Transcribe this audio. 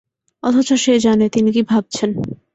অথচ সে জানে তিনি কি ভাবছেন।